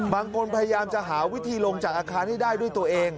พยายามจะหาวิธีลงจากอาคารให้ได้ด้วยตัวเอง